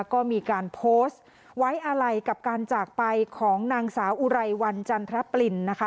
ก็มีการโพสต์ไว้อะไรกับการจากไปของนางสาวอุไรวันจันทรปรินนะคะ